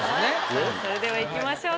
さあそれではいきましょうか。